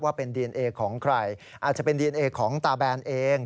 ว่าเป็นดีเอนเอของใครอาจจะเป็นดีเอนเอของตาแบนเอง